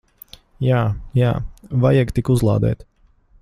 Jā. Jā. Vajag tik uzlādēt.